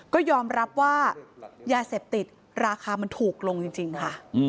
ก็ยอมรับว่ายาเสพติดราคามันถูกลงจริงค่ะ